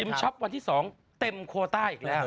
ชิมช็อปวันที่สองเต็มโควต้าอีกแล้ว